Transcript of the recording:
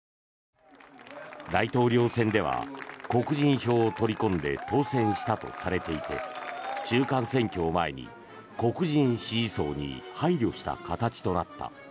大統領選では黒人票を取り込んで当選したとされていて中間選挙を前に黒人支持層に配慮した形となった。